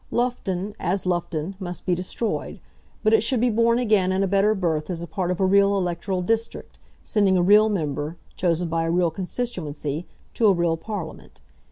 Loughton, as Loughton, must be destroyed, but it should be born again in a better birth as a part of a real electoral district, sending a real member, chosen by a real constituency, to a real Parliament.